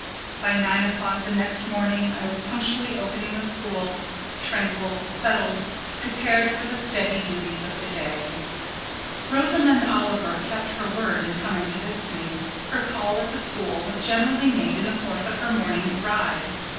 By nine o'clock the next morning I was punctually opening the school; tranquil, settled, prepared for the steady duties of the day. Rosamond Oliver kept her word in coming to visit me. Her call at the school was generally made in the course of her morning ride.